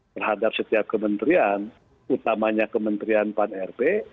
terhadap setiap kementerian utamanya kementerian pan rb